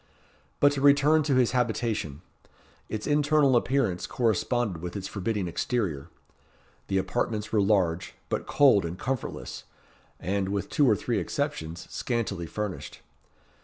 But to return to his habitation. Its internal appearance corresponded with its forbidding exterior. The apartments were large, but cold and comfortless, and, with two or three exceptions, scantily furnished.